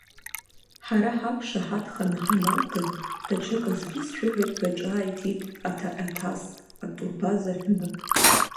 Ҳара ҳақәшаҳаҭханы ҳаналга, даҽаказгьы сшәыҳәоит ҳәа ҿааиҭит аҭаҟьаҭас, атурбаза ҳәынаԥ.